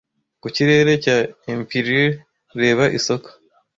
Ku kirere cya empyreal! Reba isoko